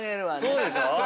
◆そうでしょう？